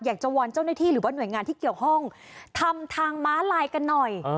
วอนเจ้าหน้าที่หรือว่าหน่วยงานที่เกี่ยวข้องทำทางม้าลายกันหน่อย